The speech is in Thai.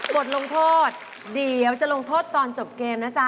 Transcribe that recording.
บทลงโทษเดี๋ยวจะลงโทษตอนจบเกมนะจ๊ะ